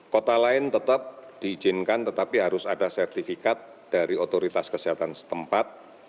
kota lain tetap diizinkan tetapi harus ada sertifikat dari otoritas kesehatan setempat